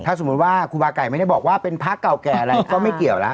สมมุติว่าครูบาไก่ไม่ได้บอกว่าเป็นพระเก่าแก่อะไรก็ไม่เกี่ยวแล้ว